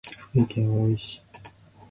福井県おおい町